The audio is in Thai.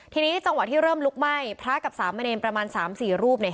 ทีนี้จังหวะที่เริ่มลุกไหม้พระกับสามเณรประมาณ๓๔รูปเนี่ย